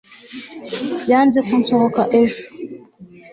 yanze ko nsohoka ejo